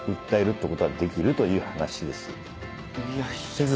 先生